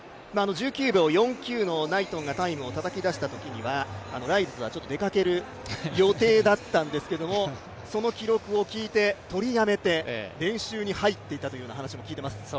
１９秒４９のナイトンがタイムをたたき出したときにはライルズは出かける予定だったんですけれども、その記録を聞いてとりやめて練習に入ったという話も聞いております。